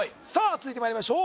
続いてまいりましょう